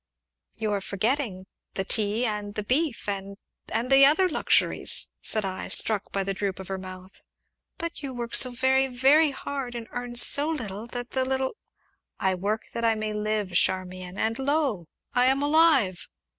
"You are forgetting the tea and the beef, and and the other luxuries," said I, struck by the droop of her mouth. "But you work so very, very hard, and earn so little and that little " "I work that I may live, Charmian, and lo! I am alive."